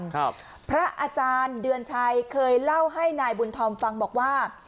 พระอาจารย์เดือนชัยเคยเล่าให้นายบุญธอมฟังบอกว่า